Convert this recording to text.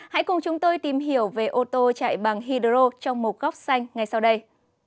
hãy cùng chúng tôi tìm hiểu về ô tô chạy bằng hydro trong một góc xanh ngay sau đây